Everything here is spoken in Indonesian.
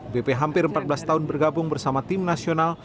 bp hampir empat belas tahun bergabung bersama tim nasional